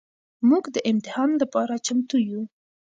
مونږ د امتحان لپاره چمتو يو.